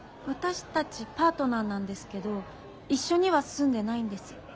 私たちパートナーなんですけど一緒には住んでないんです。